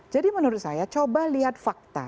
jadi menurut saya coba lihat fakta